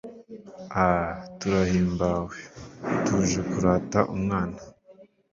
aaa; turahimbawe. tuje kurata umwana